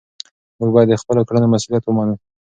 موږ باید د خپلو کړنو مسؤلیت ومنو.